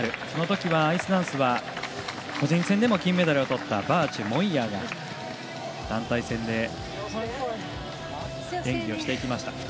そのときはアイスダンスは個人戦でも金メダルをとったバーチュー、モイヤーが団体戦で、演技をしていきました。